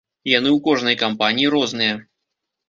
Яны ў кожнай кампаніі розныя.